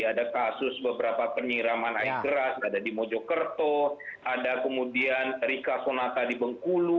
ada kasus beberapa penyiraman air keras ada di mojokerto ada kemudian rika sonata di bengkulu